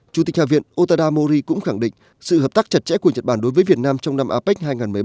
chủ tịch hạ viện otada mori cũng khẳng định sự hợp tác chặt chẽ của nhật bản đối với việt nam trong năm apec hai nghìn một mươi bảy